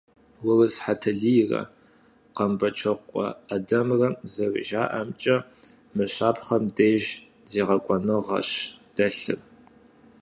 Урыс Хьэтэлийрэ Къэмбэчокъуэ ӏэдэмрэ зэрыжаӏэмкӏэ, мы щапхъэм деж зегъэкӏуэныгъэщ дэлъыр.